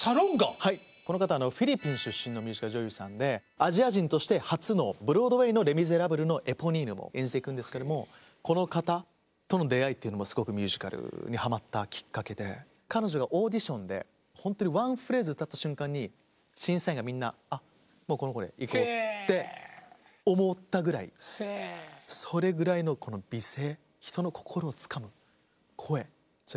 はいこの方はフィリピン出身のミュージカル女優さんでアジア人として初のブロードウェイの「レ・ミゼラブル」のエポニーヌも演じていくんですけどもこの方との出会いというのもすごくミュージカルにはまったきっかけで彼女がオーディションでほんとにワンフレーズ歌った瞬間に審査員がみんな「あっもうこの子でいこう」って思ったぐらいそれぐらいのこの美声すばらしいんですよ。